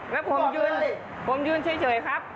แล้วผมยืนเฉยครับ